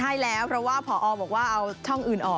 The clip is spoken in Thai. ใช่แล้วเพราะว่าผอบอกว่าเอาช่องอื่นออก